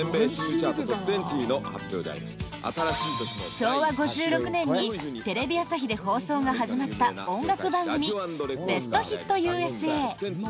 昭和５６年にテレビ朝日で放送が始まった音楽番組「ベストヒットＵＳＡ」。